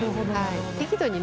適度に